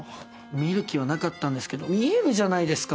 見る気はなかったんですけど見えるじゃないですか。